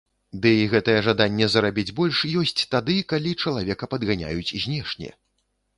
Ды і гэтае жаданне зарабіць больш ёсць тады, калі чалавека падганяюць знешне.